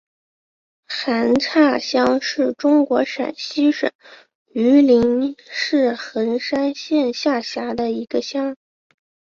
韩岔乡是中国陕西省榆林市横山县下辖的一个乡。